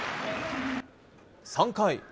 ３回。